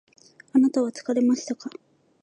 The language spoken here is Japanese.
あなたは疲れましたか？